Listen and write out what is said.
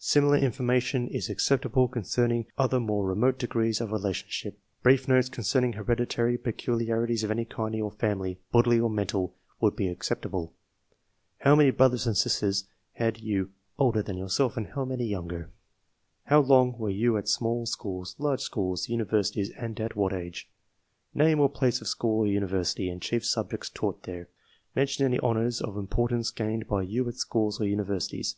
Similar information is acceptable concerning other more remote degrees of relation ship. Brief notes concerning hereditary peculiari ties of any kind in your family, bodily or mental, would be acceptable. How many brothers and 266 APPENDIX. sisters had you older than yourself, and how many younger ? How long were you at small schools, large schools, imiversities, and at what ages ? Name or place of school or university, and chief subjects taught there. ^Mention any honours of importance gained by you at schools or universities.